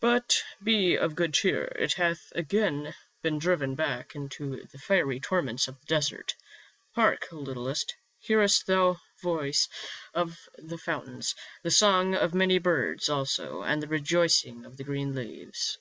But be of good cheer, it hath again been driven back into the fiery torments of the desert. Hark, littlest, hearest thou the voice of the fountains, the song of many birds also, and the rejoicing of the green leaves